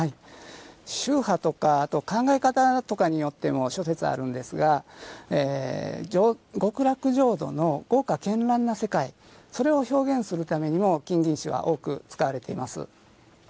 宗派とかあとは考え方によっても諸説あるんですが極楽浄土の豪華絢爛な世界それを表現するためにも金銀糸は多く使われています。